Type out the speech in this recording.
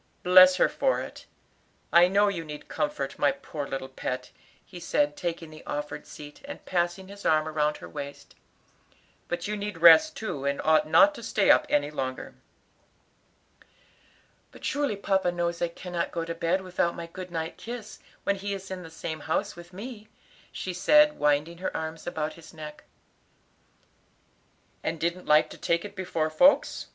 Bless her for it! I know you need comfort, my poor little pet," he said, taking the offered seat, and passing his arm round her waist. "But you need rest too, and ought not to stay up any longer." "But surely papa knows I cannot go to bed without my good night kiss when he is in the same house with me," she said, winding her arms about his neck. "And didn't like to take it before folks?